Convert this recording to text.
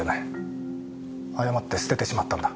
誤って捨ててしまったんだ。